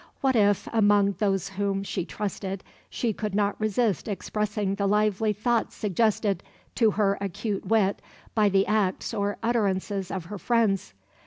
What if, among those whom she trusted, she could not resist expressing the lively thoughts suggested to her acute wit by the acts or utterances of her friends.